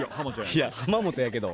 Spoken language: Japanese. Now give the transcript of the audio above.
いや浜本やけど。